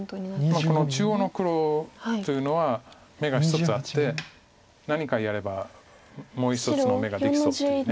この中央の黒というのは眼が１つあって何かやればもう１つの眼ができそうという。